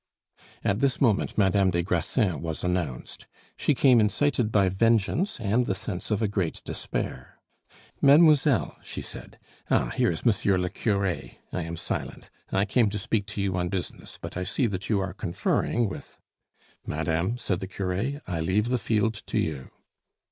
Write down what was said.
At this moment Madame des Grassins was announced. She came incited by vengeance and the sense of a great despair. "Mademoiselle," she said "Ah! here is monsieur le cure; I am silent. I came to speak to you on business; but I see that you are conferring with " "Madame," said the cure, "I leave the field to you."